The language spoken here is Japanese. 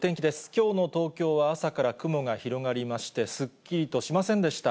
きょうの東京は朝から雲が広がりまして、すっきりとしませんでした。